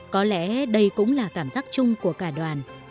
có lẽ đây cũng là cảm giác chung của cả đoàn